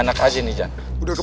aku juga gak tau deh boy